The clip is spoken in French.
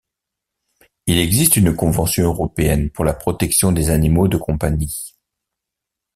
Il existe une convention européenne pour la protection des animaux de compagnie.